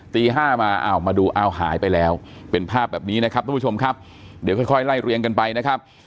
ห้ามาอ้าวมาดูอ้าวหายไปแล้วเป็นภาพแบบนี้นะครับทุกผู้ชมครับเดี๋ยวค่อยไล่เรียงกันไปนะครับ